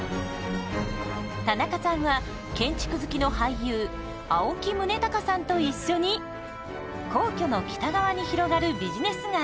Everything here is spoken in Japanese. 田中さんは建築好きの俳優青木崇高さんと一緒に皇居の北側に広がるビジネス街